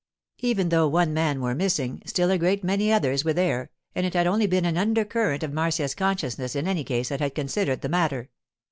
Even though one man were missing, still a great many others were there, and it had only been an undercurrent of Marcia's consciousness in any case that had considered the matter.